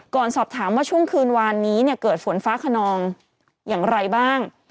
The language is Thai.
ก่อนสอบถามว่าช่วงคืนวานนี้เนี่ยเกิดฝนฟ้าขนองอย่างไรบ้าง